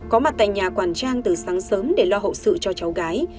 có mặt tại nhà quản trang từ sáng sớm để lo hậu sự cho cháu gái